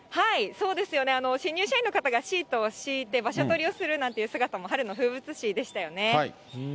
そうですよね、新入社員の方がシートを敷いて、場所取りをするなんていう姿も、春の風物詩でしたよね。